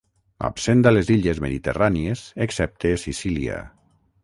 Absent a les illes mediterrànies excepte Sicília.